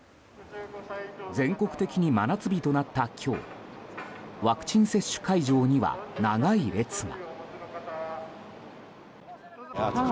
全国的に真夏日となった今日ワクチン接種会場には長い列が。